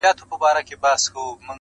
• پلار و زوی ته و ویل د زړه له زوره..